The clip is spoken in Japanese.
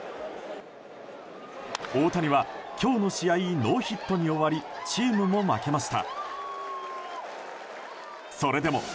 大谷は今日の試合ノーヒットに終わりチームも負けました。